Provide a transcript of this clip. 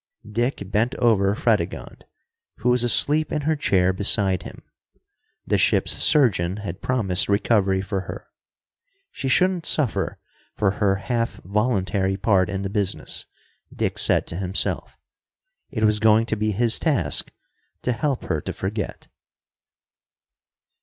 Dick bent over Fredegonde, who was asleep in her chair beside him. The ship's surgeon had promised recovery for her. She shouldn't suffer for her half voluntary part in the business, Dick said to himself. It was going to be his task to help her to forget.